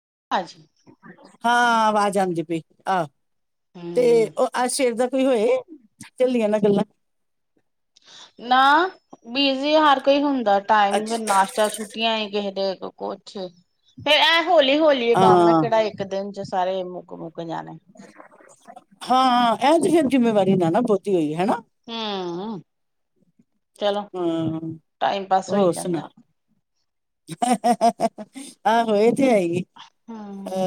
[unintelligible] ਹਾਂ ਆਵਾਜ਼ ਆਉਂਦੀ ਪਈ ਆਹੋ। ਤੇ ਹੂੰ ਉਹ ਅਜ ਸਵੇਰ ਦਾ ਸੀ ਹੋਏ ਚੱਲੀਆਂ ਨਾ ਗੱਲਾਂ। ਨਾ ਬੀਜੀ ਹਰ ਕੋਈ ਹੁੰਦਾ। ਟਾਈਮ ਅੱਛ ਫਿੇਰ ਨਾਸ਼ਤਾ ਛੁੱਟੀਆਂ ਹੀ ਕਿਸੇ ਦੇ ਕੁਛ ਫੇਿਰ ਐ ਹੌਲੀ ਹੋਲੀ ਕੰਮ ਹੈ ਹਾਂ ਕਿਹੜਾ ਇੱਕ ਦਿਨ ਚ ਸਾਰੇ ਮੁਕ ਮੁੱਕ- ਜਾਣੇ ਹਾਂ ਇਹ ਜ ਫਿਰ ਜਿੰਮੇਵਾਰੀ ਨਾ ਬਹੁਤੀ ਹੋਈ ਹੈ। ਹਨਾ? ਹਮ। ਚਲੋ ਹਾਂ ਟਾਈਮ ਪਾਸ ਹੋਈ ਹੋਰ ਜਾਂਦਾ। ਸੁਣਾ ਆਹੋ ਏ ਐ ਤੇ ਹੀ ਹੂੰ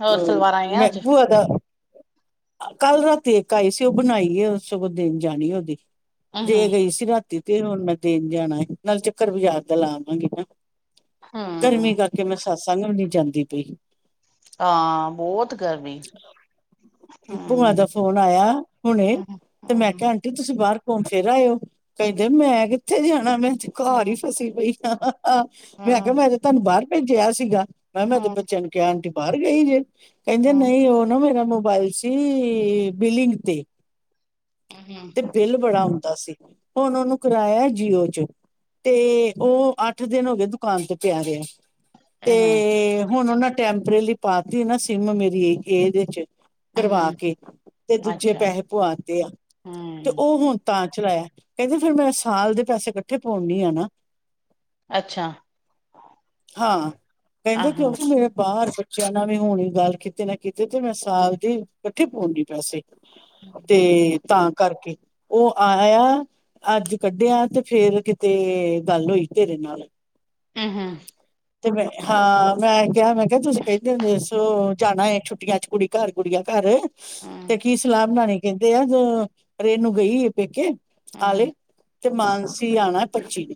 ਹੋਰ ਸਲਵਾਰਾਂ ਆਈਆਂ ਮੈਂ ਅੱਜ ਭੂਆ ਦਾ ਕੱਲ ਰਾਤੀ ਇੱਕ ਆਈ ਸੀ ਉਹ ਬਣਾਈ ਐ ਉਸ ਸਗੋਂ ਦੇਣ ਜਾਣੀ ਉਹਦੀ। ਹੂੰ ਦੇ ਗਈ ਰਾਤੀ ਤੇ ਹੁਣ ਮੈਂ ਦੇਣ ਜਾਣਾ ਨਾਲ ਚੱਕਰ ਬਜ਼ਾਰ ਦਾ ਲਾਵਾਂਗੀ ਨਾ। ਗਰਮੀ ਹੂੰ ਕਰਕੇ ਮੈਂ ਸਤਸੰਗ ਵੀ ਨੀ ਜਾਂਦੀ ਪਈ। ਹਾਂ ਬਹੁਤ ਗਰਮੀ ਭੂਆ ਦਾ ਹੂੰ- ਫੋਨ ਆਇਆ ਹੁਣੇ ਹੂੰ ਤੇ ਮੈਂ -ਹੂੰ ਕਿਹਾ ਆਂਟੀ ਤੁਸੀਂ ਬਾਹਰ ਘੁੰਮ ਫਿਰ ਆਇਓ। ਕਹਿੰਦੇ ਮੈਂ ਕਿੱਥੇ ਜਾਣਾ ਵੈਂ। ਹੂੰ ਘਰ ਹੀ ਹੂੰ ਫਸੀ ਪਈ। ਅਹੰ। ਆ ਮੈਂ ਕਿਹਾ ਹੂੰ ਮੈਂ ਤੇ ਤੁਹਾਨੂੰ ਬਾਹਰ ਭੇਜਿਆ ਸੀਗਾ। ਮੈਂਮ ਇਹਦੇ ਹੂੰ ਬੱਚਿਆਂ ਨੂੰ ਕਿਹਾ ਕਿ ਬਾਹਰ ਗਈ ਜੇ ਕਹਿੰਦੇ ਨਹੀਂ ਉਹ ਨਾ ਮੇਰਾ ਮੋਬਾਇਲ ਸੀ ਬੀਲਿੰਗ ਤੇ। ਹੂੰ ਤੇ ਬਿੱਲ ਬੜਾ ਆਉਂ ਅਸੀਂ ਹੁਣ ਉਹਨੂੰ ਕਰਾਇਆ ਜੀਓ ਚ ਤੇ ਉਹ ਅੱਠ ਦਿਨ ਹੋ ਗਏ ਦੁਕਾਨ ਤੇ ਪਿਆ ਰਿਹਾ। ਹੂੰ ਤੇ ਹੁਣ ਉਹਨਾਂ ਟੈਂਪਰੇਲੀ ਪਾਤੀ ਨਾ ਸਿਮ ਮੇਰੀ ਏਦੇ ਚ ਕਰਵਾ ਹੂੰ ਕੇ ਤੇ ਦੂਜੇ ਅੱਛਾ ਪੈਸੇ ਪੁਆਤੇ ਆ ਤੇ ਹੂੰ ਉਹ ਹੁਣ ਤਾਂ ਚਲਾਇਆ। ਕਹਿੰਦੇ ਫੇਰ ਮੈਂ ਸਾਲ ਦੇ ਪੈਸੇ ਇਕੱਠੇ ਪਵਾਉਣੀ ਆ ਨਾ। ਅੱਛਾ ਹਾਂ ਕਹਿੰਦੇ ਆਹਾਂ ਕਿਉਂਕਿ ਮੇਰੇ ਬਾਹਰ ਬੱ ਚਨਾ ਵੀ ਹੁਣ ਗੱਲ ਕਿਤੇ ਨਾ ਕਿਤੇ ਤੇ ਮੈਂ ਸਾਲ ਦੀ ਇਕੱਠੇ ਪਵਾਉਣੀ ਆ ਪੈਸੇ। ਤੇ ਤਾਂ ਕਰਕੇ ਉਹ ਆਇਆ ਅੱਜ ਕੱਢਿਆ ਤੇ ਫੇਰ ਕਿਤੇ ਗੱਲ ਹੋਈ ਤੇਰੇ ਨਾਲ। ਹੂੰ ਤੇ ਮੈਂ ਹਾਂ ਮੈਂ ਕਿਹਾ ਮੈਂ ਤੁਸੀਂ ਕਹਿੰਦੇ ਹੁੰਦੇ ਦੱਸੋ ਜਾਣਾ ਛੁੱਟੀਆਂ ਚ ਕੁੜੀ ਘਰ ਕੁੜੀਆਂ ਘਰ ਤੇ ਹੂੰ, ਕੀ ਸਲਾਹ ਬਣਾਣੀ ਕਹਿੰਦੇ ਆ ਜ ਰੇਨੂੰ ਗਈ ਪੇਕੇ ਹੂੰ, ਆਲੇ ਤੇ ਮਾਨਸੀ ਆਉਣਾ ਪੱਚੀ ਨੇ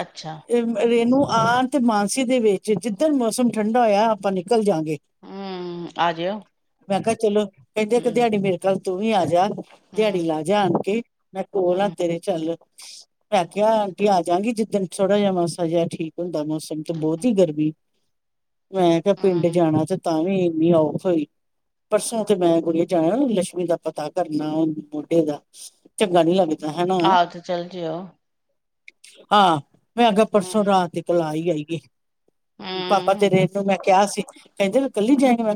ਅੱਛਾ, ਤੇ ਰੇਨੂ ਆਰ ਤੇ ਮਾਨਸੀ ਦੇ ਵਿੱਚ ਜਿੱਧਣ ਮੌਸਮ ਠੰਡਾ ਹੋਇਆ ਆਪਾਂ ਨਿਕਲ ਕਲ ਜਾਗੇ ਹੂੰ, ਆ ਜਿਓ। ਮੈਂ ਕਿਹਾ ਚਲੋ ਕਹਿੰਦੇ ਕਿ ਹੂੰ, ਦਿਹਾੜੀ ਮੇਰੇ ਖਲ ਤੁਹੀ ਆ ਜਾ ਹੂੰ, ਦਿਹਾੜੀ ਲਾ ਜਾ ਆਨ ਕੇ ਮੈਂ ਕੋਲ ਆ ਹੂੰ, ਤੇਰੇ ਚੱਲ ਮੈਂ ਕਿਹਾ ਆ ਜਾਗੀ ਜਿਸ ਦਿਨ ਥੋੜਾ ਜਿਹਾ ਠੀਕ ਹੁੰਦਾ ਮੌਸਮ ਤੇ ਬਹੁਤ ਹੀ ਗਰਮੀ ਮੈਂ ਕਿਹਾ ਪਿੰਡ ਹੂੰ, ਜਾਣਾ ਤੇ ਤਾਂ ਵੀ ਔਫ ਹੋਈ ਪਰਸੋਂ ਤੇ ਮੈਂ ਕੁੜੀਏ ਜਾਣਾ ਲੱਸ਼ਮੀ ਦਾ ਪਤਾ ਕਰਨਾ ਮੋਢੇ ਦਾ ਚੰਗਾ ਨੀ ਲੱਗਦਾ ਆਹੋ ਤੇ ਚੱਲ ਜਓ ਆ ਮੈਂ ਅਗਾ ਪਰਸੋਂ ਰਾਤਲਾਈ ਪਾਪਾ ਚ ਹੂੰ, ਰੇ ਨੂੰ ਮੈਂ ਕਿਹਾ ਸੀ ਕਹਿੰਦੇ ਕੱਲੀ ਜਾਏ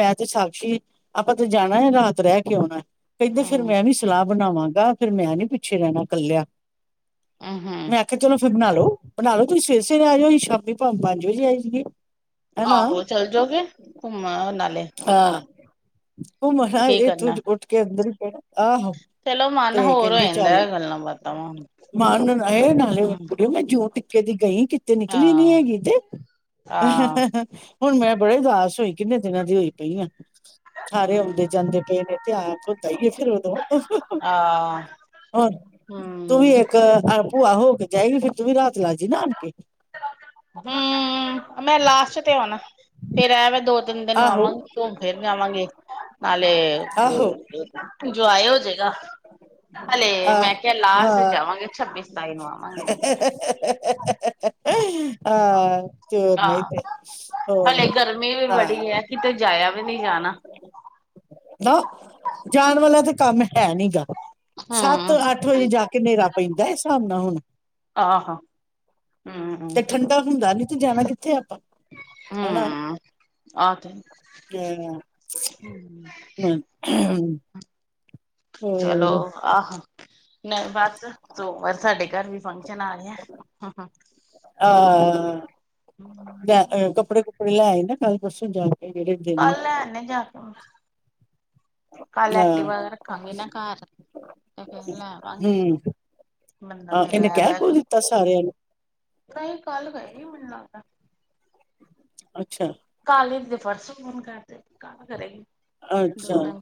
ਮੈਂ ਤੇ ਸਾਖੀ ਆਪਾਂ ਤੇ ਜਾਣਾ ਰਾਤ ਰਹਿ ਕੇ ਆਉਣਾ ਇਥੇ ਫਿਰ ਹੂੰ, ਮੈਂ ਨਹੀਂ ਸਲਾਹ ਬਣਾਵਾਂ ਜਾ ਫੇਿਰ ਮੈਂ ਨੀ ਪਿੱਛੇ ਰਹਿਣਾ ਕੱਲਿਆ ਹੂੰ, ਮੈਂ ਕਿਹਾ ਚਲੋ ਫਿਰ ਨਾਲ ਬਣਾ ਲੋ ਤੁਈ ਸਵੇਰੇ ਸਵੇਰੇ ਆ ਇਓ। ਅਈ ਸ਼ਾਮੀ ਭਾਵੇਂ ਪੰਜ ਵਜੇ ਆਜੀਏ। ਆਹੋ ਚਲ ਜੌਗੇ ਘੁੰਮ ਆਓ ਨਾਲੇ। ਉਹ ਮਨਾ ਕੀ ਇਹ ਕਰਨਾ। ਤੂੰਜ ਉੱਠ ਕੇ ਅੰਦਰ [unintelligible] [unintelligible] ਆਹੋ। ਚਲੋ ਮਨ ਤੇ ਹੋਰ ਹੋ ਕਹਿੰਦੇ ਜਾਂਦਾ ਚੱਲ ਐ ਗੱਲਾਂ ਬਾਤਾਂ ਵਾ। ਮਾਂ ਨੂੰ ਨਾਲੇ ਹੂੰ, ਕੁੜਓ ਮੈਂ ਜ ਤ [unintelligible] ਕੇ ਦੀ ਗਈ? ਕਿਤੇ ਨਿਕਲੀ ਨੀ ਆਹ, ਹੈਗੀ ਤੇ। ਆਹ, [unintelligible] ਹੁਣ ਮੈਂ ਬੜੇ ਉਦਾਸ ਹੋਈ ਕਿੰਨੇ ਦਿਨਾਂ ਦੀ ਹੋਈ ਪਈ ਆ। ਸਾਰੇ ਆਉਦੇ ਹੂੰ, ਜਾਂਦੇ ਪਏ ਨੇ। ਤੇ ਆਪ। ਆਹ, ਹੂੰ। [unintelligible] [unintelligible] ਭੂਆ ਹੋ ਕੇ ਜਾਏਗੀ ਫੇਰ ਤੂੰ ਵੀ ਰਾਤ ਲਾਜੀ ਨਾ ਆਣ ਕੇ। ਹੂੰ, ਮੈਂ ਲਾਸਟ ਤੇ ਆਣਾ। ਫੇਰ ਐਵੇਂ ਦੋ ਤਿੰਨ ਦਿਨ ਨੂੰ ਆਹੋ ਆਵਾਂਗੀ ਘੁਮ ਫੇਰ ਜਾਵਾਂਗੇ ਨਾਲੇ ਏ ਆਹੋ ਏ ਜੋਏ ਹੋਜੇਗਾ ਹਲੇ ਆਹ ਮੈਂ ਕਿਆ ਲਾਸ ਹਾਂ ਜਾਵਾਂਗੇ ਛੱਬੀ ਸਤਾਈ ਨੂੰ ਆਵਾਂਗੇ। ਹਮ ਹਾਂ--ਚੋ ਨਈ ਤੇ ਹ। ਵੜੀ ਐ ਕਿਤੇ ਜਾਇਆ ਵ ਜਾ ਜਾਣ ਵਾਲਿਆਂ ਤੇ ਕੰਮ ਹੈ ਨੀਗਾ। ਸੱਤ ਹੂੰ। ਅੱਠ ਵਜੇ ਜਾਕੇ ਨੇਰਾ ਪੈਂਦਾ ਏ ਸਾਬ ਨਾ ਹੁਣ? ਆਹੋ ਹਮ ਤੇ ਹਮ ਠੰਡਾ ਹੁੰਦਾ ਨੀ ਤੇ ਜਾਣਾ ਕਿੱਥੇ ਆਪਾਂ ਹਮ ਆਹ ਤੇ ਹ ਚਲੋ ਆਹ। ਨ ਬਸ ਸੋਮਵਾਰ ਸਾਡੇ ਘਰ ਵੀ ਫੰਕਸ਼ਨ ਆ ਰਿਐ ਹ ਹ। ਆਹ ਜਾ ਕੇ ਕੱਪੜੇ ਕੁੱਪੜੇ ਲੈ ਆਏਨ ਕੱਲ ਪਰਸੋਂ ਜਾਈ। ਕੱਲ ਲੈਣੇ ਜਾ ਕੇ ਮ ਕੱਲ ਹਾਂ ਐਕਟੀਵਾ ਰਖਾਗੇ ਨਾ ਘਰ ਤੇ ਫੇਰ ਲੈ ਵਾਗੇ ਹਾਂ ਇਹਨੇ ਕਹਿ ਕੁ ਦਿੱਤਾ ਸਾਰਿਆਂ ਨੂੰ ਤਾਂਸੀਂ ਕੱਲ ਗਏ ਹੀ ਮੇਨੂ ਲਗਦਾ ਅੱਛਾ ਤੇ ਪਰਸੋਂ ਫੋਨ ਕਰਦੇ ਕਰੇਗੀ ਦੋ ਅੱਛਾ ਦਿਨ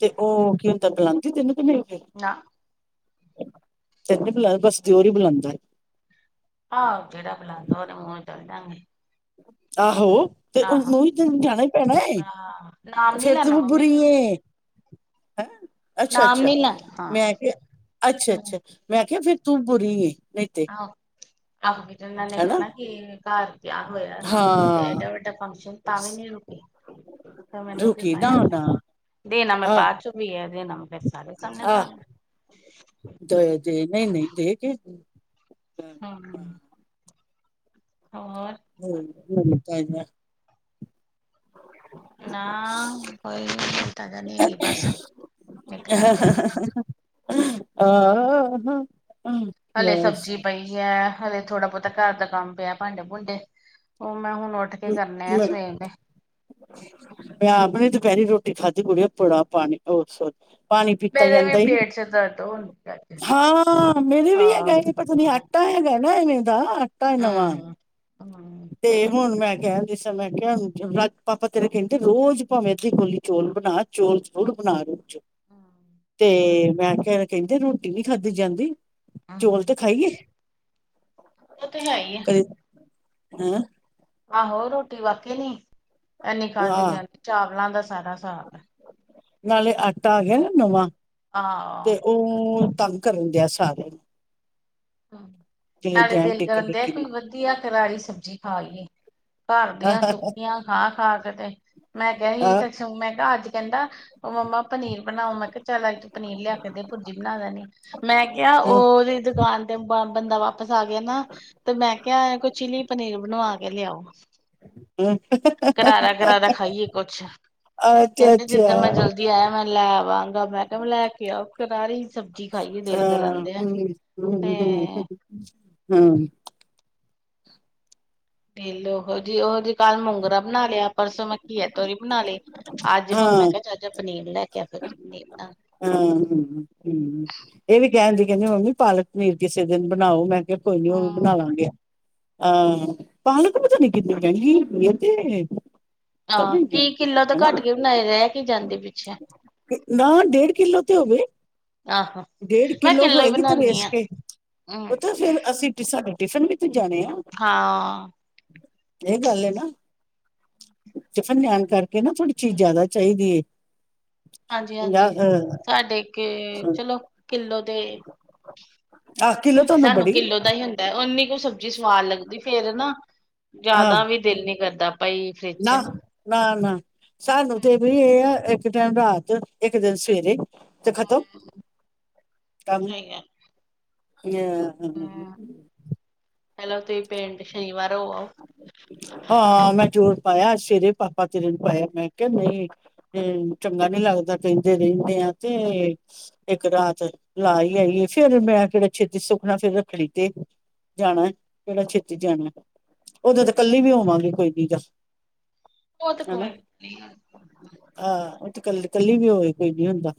ਤੇ ਉਹ ਕੀ ਬਲਾਉਂਦੀ ਤਨੂੰ ਨਾ [inaudible] ਬੱਸ ਦਿਓਰ ਹੀ ਬੁਲਾਉਂਦਾ। ਆਹੋ ਜਿਹੜਾ ਬੁਲਾਉਂਦਾ ਉਹਦੇ ਮੂੰਹ ਨੂ ਚਲ ਜਾਗੇ ਆਹੋ ਤੇ ਉਹਨੂੰ ਜਾਣਾ ਹੀ ਪੈਣਾ ਆਹ ਨਾਮ ਨੀ ਫਿਰ ਲੈਣਾ ਤੂੰ ਮੰਮੀ ਬੁਰੀ ਏ ਹੈਂ ਅੱਛਾ ਨਾਮ ਅੱਛਾ ਨੀ ਲੈਣਾ ਮੈਂ ਹਾਂ ਕਿਹਾ ਅੱਛਾ ਅੱਛਾ ਮੈਂ ਆਖਿਆ ਫਿਰ ਤੂੰ ਬੁਰੀ ਇ ਆਹੋ ਆਪ ਹਨਾ ਕਿ ਘਰ ਵਿਆਹ ਹੋਇਆ ਤੇ ਹਾਂ ਏਡਾ ਵੱਡਾ ਫੰਕਸ਼ਨ ਤਾਂ ਵੀ ਨਹੀਂ ਰੁਕੇ ਤੇ ਮੈਨੂੰ ਕੀ ਫਾਯਾ ਪਿਆ ਦੇਣਾ ਮੈ ਬਾਅਦ ਚੋ ਵੀ ਹੈ। [unintelligible] ਆਹ ਦਾਂਗੀ ਦੇ ਦੇ ਨਹੀਂ ਨਹੀਂ ਦੇ ਕੇ ਹਾਂ- ਹੋਰ? [unintelligible] ਨਾ ਕੋਈ ਚਿਤਾਂ ਹੈਗੀ ਬਸ ਨਿਕਲਣ ਦੇ ਆਪਾ- ਆਹ ਹਾਂ- ਹਲੇ ਸਬਜ਼ੀ ਪਈ ਐ। ਹਲੇ ਥੋੜਾ ਬਹੁਤਾ ਘਰ ਦਾ ਕੰਮ ਪਿਆ ਭਾਂਡੇ ਭੂੰਡੇ ਹ [unintelligible] ਆਪ ਆਪਣੀ ਦੁਪਹਿਰੀ ਰੋਟੀ- ਟੀ ਖਾਧੀ ਕੁੜੀਆਂ ਬੜਾ ਪਾਣੀ ਉਸਰ- ਪਾਣੀ ਪੀਤਾ ਮੇਰੇ ਵੀ ਜਾਂਦਾ ਹੀ ਪੇਟ ਚ ਦਰਦ ਹੁੰਦੀ ਅੱਜ ਹਾਂ ਮੇਰੇ ਵੀ ਹੈਗਾ ਹਾਂ ਪਤਾਨੀ ਹਮ ਆਟਾ ਹੈਗਾ। [unintelligible] ਟਾ ਏ ਨਵਾ- ਹਮ [inaudible] ਤੇ ਹੁਣ ਮੈਂ ਕਿਹਾ ਜਿਸਤਰਾ ਮੈਂ ਕਿਹਾ ਪਾਪਾ ਤੇਰੇ ਕਹਿੰਦੇ ਰੋਜ਼ ਭਾਵੇਂ ਅੱਧੀ ਕੋੋਲੀ ਚੌਲ ਬਣਾ ਚੋਲ ਜਰੂਰ ਬਣਾ ਰੋਜ- ਤੇ ਮੈਂ ਕਿਹਾ ਕਹਿੰਦੇ ਰੋਟੀ ਨੀ ਖਾਧੀ ਜਾਂਦੀ। ਚੋਲ ਤੇ ਹਮ ਖਾਈਏ- ਉਹ ਤੇ ਹੈ ਹੀ ਹੈ। ਹੂੰ। ਆਹੋ ਰੋਟੀ ਵਾਕੇ ਨੀ- ਇਨੀ ਖਾਧਦੀ ਹਾਂ ਜਾਂਦੀ ਚਾਵਲਾਂ ਦਾ ਸਾਰਾ ਹਿਸਾਬ- ਨਾਲੇ ਅੱ- ਟਾ ਗਿਆ ਹੈ ਨਵਾਂ ਆਹੋ ਤੇ ਉਹ- ਤੰਗ ਕਰਨ ਡਿਆ ਸਾਰੇ ਨਾਲੇ ਦਿਲ ਟਿੱਕ ਕਰਨ ਦੇ ਟਿੱਕੀ ਕੋਈ ਵਧੀਆ ਕਰਾਲੀ ਸਬਜ਼ੀ ਖਾ ਲਈਏ ਘਰ ਦੀਆਂ ਅ ਸੁੱਕੀਆਂ ਖਾ-ਖਾ ਕਦੇ- ਮੈਂ ਕਿਹਾ ਹੀ ਸੋਂ ਮੈਂ ਕਿਹਾ ਅੱਜ ਕਹਿੰਦਾ ਉਹ ਮੰਮਾ ਪਨੀਰ ਬਣਾਉ ਮੈ ਕ ਚੱਲ ਤੂੰ ਪਨੀਰ ਲਿਆ ਕੇ ਦੇ ਪੁਰਜੀ ਬਣਾ ਦੇਣੀ ਮੈਂ ਕਿਹਾ ਉਹਦੀ ਦੁਕਾਨ [unintelligible] ਸ ਆਗੇ ਨਾ ਤੇ ਮੈਂ ਕ ਕੋਈ ਚਿਲੀ ਪਨੀਰ ਬਣਵਾ ਕੇ ਲਿਆਓ ਕਰਾਰਾ ਕਰਾਰਾ ਖਾਈਏ ਕੁੱਛ ਅੱਛਾ ਕਹਿੰਦੇ ਅੱਛਾ ਜਿੱਧਰ ਮੈਂ ਜਲਦੀ ਆਇਆ ਮੈਂ ਲੈਵਾਂਗਾ ਮੈਡਮ ਲੈ ਕੇ ਆਓ ਕਰਾਰੀ ਸਬ ਜੀ ਖਾਈਏ ਦਿਲ ਹਾਂ ਕਰਉਂਦੇ ਆ ਹਮ ਤੇ ਹਮ ਹਮ ਨਲ ਉਹ ਜਿ ਉਹ ਜਿਹੀ ਕੱਲ ਮੋਗਰਾ ਬਣਾ ਲਿਆ ਪਰਸੋਂ ਮ ਘਿਅ ਤੋਰੀ ਬਣਾ ਲਏ ਅੱਜ ਹੁਣ ਹਾਂ ਮੈਂ ਕਿਹਾ ਚੱਲ ਜਾ ਪਨੀਰ ਲੈ ਕੇ ਆ ਫਿਰ ਤੂੰ ਪਨੀਰ ਬਣਾ ਹਾਂ ਹਮ ਹਮ ਇਹ ਵੀ ਕਹਿਣ ਦੀ ਕਹਿੰਦੀ ਮੰਮੀ ਪਾਲਕ ਪਨੀਰ ਕਿਸੇ ਦਿਨ ਬਣਾਓ ਮੈਂ ਕੋਈ ਨੀ ਉਹ ਵੀ ਹਾਂ। ਬਣਾ ਲਵਾਂਗੇ ਆਹ ਪਾਲਕ ਪਤਾ ਨੀ ਕਿੰਨੀ ਮਹਿੰਗੀ ਦਿੱਤੀ ਆਹ ਕੀ ਕਿੱਲੋ ਤਾਂ ਹਨਾ ਘੱਟ ਕੇ ਬਣਾਏ ਰਹਿ ਕੀ ਜਾਂਦੇ ਪਿੱਛੇ ਨਾ ਦੇਖ ੇ ਕਿੱਲੋ ਤੇ ਹੋਵੇ ਆਹੋ ਡੇਢ ਮੈਂ ਕਿੱਲੋ ਹੀ ਹੋਏਗੀ ਤੇ ਬਣਾਉਦੀ ਨੇਸ ਹਾਂ ਕੇ ਉਹ ਹਮ ਤਾਂ ਫੇਿਰ ਅਸੀਂ ਪਿਸ ਟਿਫਿਨ ਵਿੱਚ ਜਾਣੇ ਆ ਹਾਂ ਇਹ ਗੱਲ ਹੈ ਨਾ ਟਿਫਨ ਲੀਆਣ ਕਰਕੇ ਨਾ ਥੋੜੀ ਚੀਜ਼ ਜ਼ਿਆਦਾ ਚਾਹੀਦੀ ਹਾਂਜੀ ਪੰਜਾਹ ਹਾਂਜੀ। ਅਹ ਸਾਡੇ ਕੇ ਚਲੋ, ਕਿੱਲੋ ਤੇ ਆਹ ਕਿਲੋ ਤੁਹਾਨੂੰ ਸਾਨੂੰ ਬੜੀ ਕਿੱਲੋ ਦਾ ਹੀ ਹੁੰਦਾ, ਉਨੀ ਉਹ ਸਬਜ਼ੀ ਸਵਾਦ ਲੱਗਦੀ, ਫੇਰ ਨਾ ਹਾਂ ਜ਼ਿਆਦਾ ਵੀ ਦਿਲ ਨੀ ਕਰ ਨਾ, ਨਾ, ਨਾ। ਸਾਨੂੰ ਤੇ ਹਮ। ਵੀ ਇਹ ਆ ਇੱਕ ਟੈਮ ਰਾਤ, ਇੱਕ ਦਿਨ ਸਵੇਰੇ। ਤੇ ਖਤਮ ਹੂੰ, ਕੰਮ ਸਹੀ ਗੱਲ। [inaudible] ਪਹਿਲੇ ਤੁਸੀਂ ਪਿੰਡ ਸ਼ਨੀਵਾਰ ਹੋ ਆਓ। ਹਾਂ ਮੈਂ ਜ਼ੋਰ ਪਾਇਆ, ਸ਼ੇਰੇ ਪਾਪਾ ਤੇਰੇ ਨੂੰ ਪਾਇਆ। ਮੈਂ ਕਿਹਾ ਨਹੀਂ ਤੇ ਚੰਗਾ ਨੀ ਲੱਗਦਾ, ਕਹਿੰਦੇ ਰਹਿੰਨੇ ਆ, ਤੇ ਇੱਕ ਰਾਤ ਲਾ ਹੀ ਆਈਏ, ਫੇਰ ਮੈਂ ਕਿਹੜਾ ਛੇਤੀ ਸੁਖਣਾ ਫੇਰ ਰੱਖੜੀ ਤੇ ਜਾਣਾ ਕਿਹੜਾ ਛੇਤੀ ਜਾਣਾ। ਉਦੋਂ ਤ ਕੱਲੀ ਵੀ ਹੋਵਾਂਗੀ ਕੋਈ ਜਾਓ ਉਹ ਤ ਕੋਈ ਨੀ ਕੱਲ, ਕੱਲੀ ਵੀ ਹੋਵੇ ਕੋਈ ਨੀ ਹੁੰਦਾ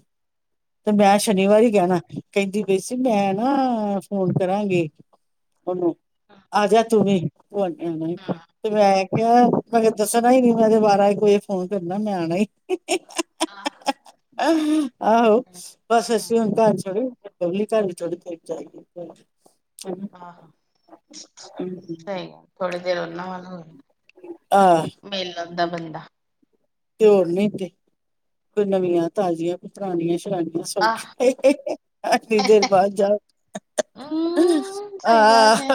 ਤੇ ਮੈਂ ਸ਼ਨੀਵਾਰ ਹੀ ਕਹਿਣਾ ਕਹਿੰਦੀ ਪਈ ਸੀ ਮੈਂ ਨਾ ਫੋਨ ਕਰਾਂਗੇ ਉਹਨੂੰ, ਆਜਾ ਤੂੰਂ ਵੀ [unintelligible] ਹਮ ਤੇ ਮੈਂ ਆ ਕਿਹਾ, ਆ ਦੱਸਣਾ ਹੀ ਨੀ ਮੈ ਦੇ ਬਾਰਾ-ਇਕ ਫੋਨ ਕਰਨਾ ਮੈਂ ਆਣਾ ਆਹ ਆਹੋ, ਹਮ ਬਸ ਅਸੀਂ ਹਮ ਹੁਣ ਘਰ ਛੜ [unintelligible] ਆਹਾ, ਸਹੀ ਗੱਲ, ਥੋੜੇ ਦੇਰ ਉਹਨਾ ਵ ਆਹ ਮਿਲ ਲੈਂਦਾ ਬੰਦਾ ਤੇ ਹੋਰ ਨੀ ਤੇੇ ਕੋਈ ਨਵੀਆਂ-ਤਾਜ਼ੀਆਂ, ਕੋਈ ਪੁਰਾਣੀਆਂ ਸੌਖ, ਆਹ ਐਨੀ ਦੇਰ ਬਾਅਦ ਜਾਓ ਹਮ ਸਹੀ ਗੱਲ ਆਹ, ਜੇ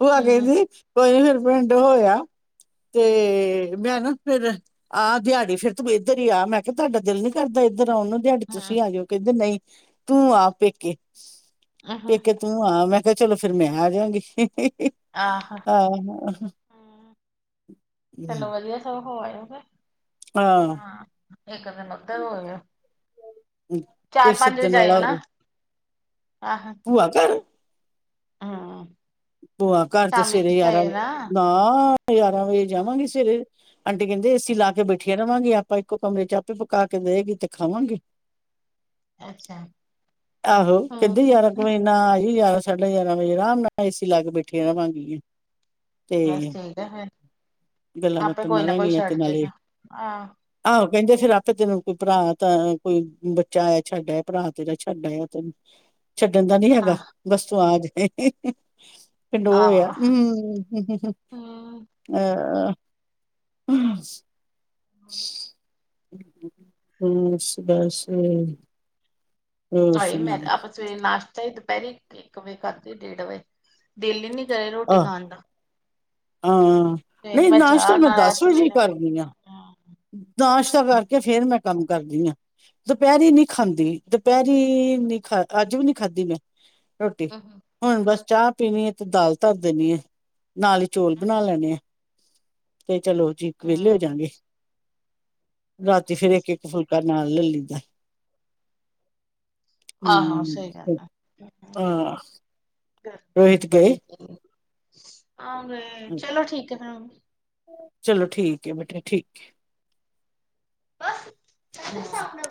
ਉਹ ਆ ਗਈ ਹਮ ਸੀ। ਕੋਈ ਨੀ, ਫੇਰ ਪਿੰਡ ਹੋਇਆ ਤੇ ਮੈਂ ਨਾ ਫਿਰ ਆਹ ਦਿਹਾੜੀ ਫਿਰ ਤੂੰ ਇੱਧਰ ਹੀ ਆ, ਮੈਂ ਕਿਹਾ ਤੁਹਾਡਾ ਦਿਲ ਨੀ ਕਰਦਾ ਇਧਰ ਇੱਧਰ ਆਉਣ ਨੂੰ? ਡੈਡੀ ਹਮ ਤੁਸੀਂ ਆ ਜਾਇਓ? ਕਹਿੰਦੇ ਨਹੀਂ ਤੂੰ ਆਪ ਪੇਕੇ ਹਮ ਪੇਕੇ ਤੂੰ ਆ, ਮੈਂ ਕਿਹਾ ਚਲੋ ਫੇਰ ਮੈਂ ਆ ਜਾਂਗੀ। ਆਹ ਆ ਹੂੰ। ਹੋਰ ਹਾਂ [inaudible] ਮਧ ਹੋ ਚਾਰ ਕੋਈ ਪੰਜ ਵਜੇ ਸੱਦਣ ਆਇਓ ਵਾਲਾ ਨਾ ਹੋਵੇ ਆਹੋ ਭੂਆ ਹਾਂ ਭ ਘਰ ਚ ਸਵੇਰੇ ਯਾਰਾਂ ਨਾ ਯਰਾਂ ਵਜੇ ਜਾਵਾਂਗੇ ਸਵੇਰੇ ਆਂਟੀ ਕਹਿੰਦੇ ਅਸੀ ਲਾ ਕੇ ਬੈਠੀਆਂ ਰਵਾਂਗੇ ਆਪਾਂ ਇੱਕੋ ਕਮਰੇ ਚ ਆਪੇ ਪਕਾ ਕੇ ਦੇਵੇਗੀ ਤੇ ਖਾਵਾਂਗੇ ਅੱਛਾ ਆਹੋ ਹਮ ਕਿੱਧਾਂ ਯਾਰ ਕਮਨਾ ਆਈ ਯਦਾ ਚੱਲੇ ਜਾਰਮ ਗ ਰਰਾ ਸੀਂ ਲਾ ਕੇ ਬੈਠੇ ਰਵਾਂਗੀ ਬਸ ਠੀਕ ਆ ਫੇਿਰ ਗੱਲਾਂ ਆਪੇ ਬਾਤਾਂ ਕੋਈ ਨਾ ਕੋਈ ਮਾਰਾਂਗੀਆਂ ਤੇ ਛੱਡ ਨਾਲੇ ਜੇਗਾ ਆਹ ਆਹੋ ਕਹਿੰਦੇ ਫੇਿਰ ਆਪੇ ਤੈਨੂੰ ਕੋਈ ਭਰਾ ਤਾਂ ਕੋਈ ਬੱਚਾ ਆਇਆ ਛੱਡ ਆਆ ਭਰਾ ਤੇਰਾ ਛੱਡ ਆਇਆ ਤੈਨੂੰ ਛੱਡਣ ਦਾ ਨੀ ਹੈਗਾ ਆਹ ਬਸ ਤੂੰ ਆਜ [inaudible] [unintelligible] ਫਡੋ ਹੋਇਆ ਆਹ ਹਮ ਹਮ ਅਹ ਹਮ ਹਾਂ ਹਮ ਬਸ ਹ ਮੈਂ ਸੁਣਾ ਆਪਾਂ ਸਵੇਰੇ ਨਾਸ਼ ਚੇ ਦੁਪਹਿਰੀ ਇੱਕ ਵਜੇ ਖਾਧ ਡੇਢ ਵਜੇ ਦਿੱਲੀ ਨੀ ਕਰੇ ਰੋਟੀ ਆਹ ਖਾਣ ਦਾ ਹਾਂ ਸਵੇਰੇ ਨਹੀਂ ਨਾਸ਼ਤਾ ਚਾਹ ਮੈਂ ਨਾਲ ਦਸ ਐਸ ਲੈ ਵਜੇ ਹੀ ਲੈ ਕਰਦੀ ਆ ਨਾਸ਼ਤਾ ਕਰਕੇ ਫੇਰ ਮੈਂ ਕੰਮ ਕਰਦੀ ਹਾਂ ਦੁਪਹਿਰੀ ਨੀ ਖਾਂਦੀ ਦੁਪਹਿਰੀ ਨੀ ਖਾ ਅੱਜ ਵੀ ਨੀ ਖਾਧੀ ਮੈਂ ਰੋਟੀ ਹੂੰ ਹੂੰ ਹੁਣ ਬਸ ਚਾਹ ਪੀਣੀ ਹੈ ਤੇ ਦਾਲ ਧਰ ਦੇਣੀ ਆ ਨਾਲ ਹੀ ਚੌਲ ਬਣਾ ਲੈਣੇ ਆ ਤੇ ਚਲੋ ਜੀ ਇੱਕ ਵਹਲੇ ਹੋਜਗੇ ਰਾਤੀ ਫੇਰ ਇੱਕ ਇੱਕ ਫੁਲਕਾ ਕਰਨਾ ਲੈ ਲਦਾ ਆਹੋ ਸਹੀ ਗੱਲ ਹਮ [unintelligible] ਗਰਮੀ ਰੋਹਿਤ ਗਏ ਬੜੀ ਆ ਚਲੋ ਠੀਕ ਹੈ ਚਲੋ ਠੀਕ ਹੈ ਬੇਟਾ ਠੀਕ ਹੈ ਬੱਸ ਕ ਸ ਆਪਣਾ